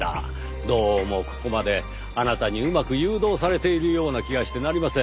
どうもここまであなたにうまく誘導されているような気がしてなりません。